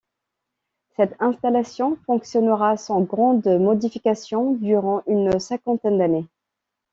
Cette installation fonctionnera sans grande modification durant une cinquantaine d'années.